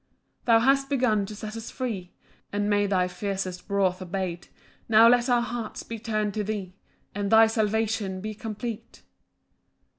2 Thou hast begun to set us free, And made thy fiercest wrath abate; Now let our hearts be turn'd to thee, And thy salvation be complete.